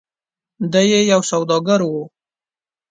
د ی یو سوداګر و.